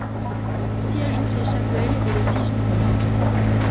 S'y ajoutent la chapelle et le pigeonnier.